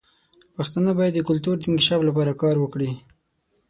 پښتانه باید د کلتور د انکشاف لپاره کار وکړي.